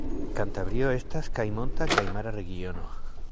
Kantabrio estas kaj monta kaj mara regiono.